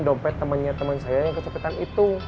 temen temen temen saya yang kecopetan itu